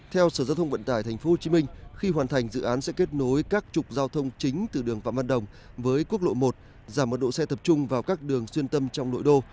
theo sở giao thông vận tải tp hcm khi hoàn thành dự án sẽ kết nối các trục giao thông chính từ đường phạm văn đồng với quốc lộ một giảm mật độ xe tập trung vào các đường xuyên tâm trong nội đô